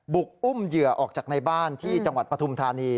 บุกอุ้มเหยื่อออกจากในบ้านที่จังหวัดปฐุมธานี